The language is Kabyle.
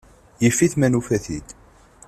Yif-it ma nufa-t-id.